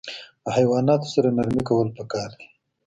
له حیواناتو سره نرمي کول پکار دي.